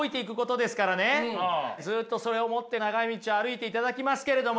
ずっとそれを持って長い道を歩いていただきますけれども。